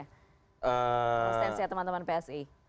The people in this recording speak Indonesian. atau sementara atau bagaimana sebenarnya